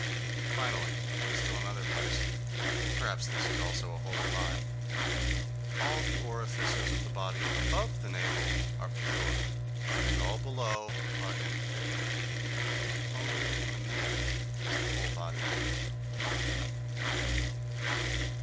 Finally, in still another place—perhaps this is also a holy lie—: "all the orifices of the body above the navel are pure, and all below are impure. Only in the maiden is the whole body pure."